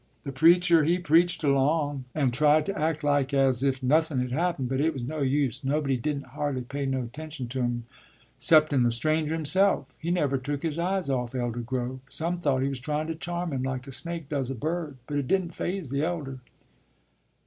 The preacher, he preached along, and tried to act like as if nowthun' had happened, but it was no use; nobody didn't hardly pay no attention to him 'ceptun' the stranger himself; he never took his eyes off Elder Grove; some thought he was tryun' to charm him, like a snake does a bird; but it didn't faze the elder.